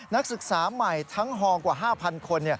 นักศึกษาใหม่ทั้งฮกว่า๕๐๐คน